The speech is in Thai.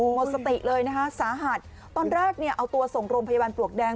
หมดสติเลยนะคะสาหัสตอนแรกเนี่ยเอาตัวส่งโรงพยาบาลปลวกแดง